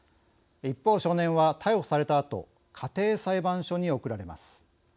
一方、少年は逮捕されたあと家庭裁判所に送られます。